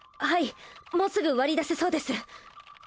はいもうすぐ割り出せそうです。